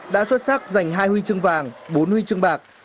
đã xuất sắc giành hai huy chương vàng bốn huy chương bạc